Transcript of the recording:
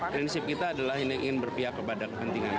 prinsip kita adalah ingin berpihak kepada kepentingan kita